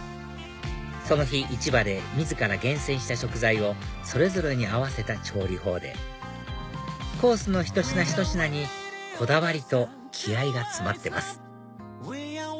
その日市場で自ら厳選した食材をそれぞれに合わせた調理法でコースのひと品ひと品にこだわりと気合が詰まってます